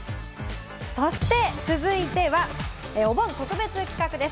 そして続いては、お盆特別企画です。